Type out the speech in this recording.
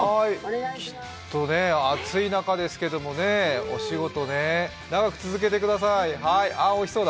暑い中ですけどね、お仕事長く続けてください。